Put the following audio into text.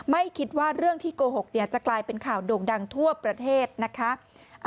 ไม่คิดว่าเรื่องที่โกหกจะกลายเป็นข่าวโด่งดังทั่วประเทศนะคะ